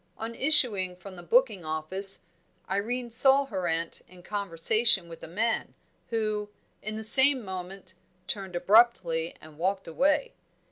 On issuing from the booking office, Irene saw her aunt in conversation with a man, who, in the same moment, turned abruptly and walked away.